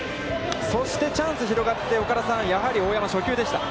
そしてチャンス広がって、やっぱり大山、初球でした。